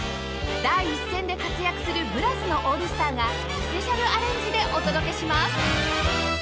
第一線で活躍するブラスのオールスターがスペシャルアレンジでお届けします